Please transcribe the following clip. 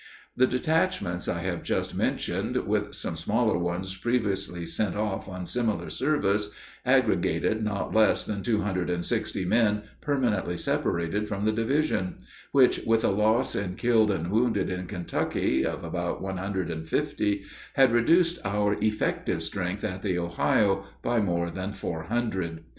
The detachments I have just mentioned, with some smaller ones previously sent off on similar service, aggregated not less than two hundred and sixty men permanently separated from the division; which, with a loss in killed and wounded, in Kentucky, of about one hundred and fifty, had reduced our effective strength at the Ohio, by more than four hundred.